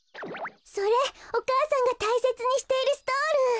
それお母さんがたいせつにしているストール！